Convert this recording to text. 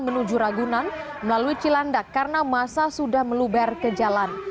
menuju ragunan melalui cilandak karena masa sudah meluber ke jalan